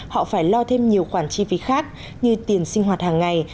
họ phải lo thêm nhiều khoản chi phí khác như tiền sinh hoạt hàng ngày